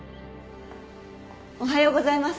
おはようございます。